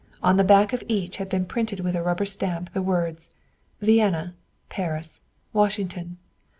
On the back of each had been printed with a rubber stamp the words: "Vienna, Paris, Washington.